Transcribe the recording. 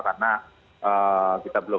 karena kita belum